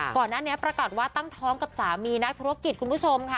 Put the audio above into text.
ก่อนหน้านี้ประกาศว่าตั้งท้องกับสามีนักธุรกิจคุณผู้ชมค่ะ